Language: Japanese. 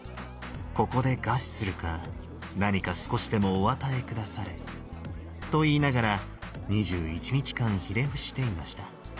「ここで餓死するか何か少しでもお与え下され」と言いながら２１日間ひれ伏していました。